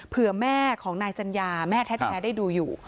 เพื่อแม่ของนายจัญญาแม่แท้ได้ดูอยู่